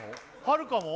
はるかも？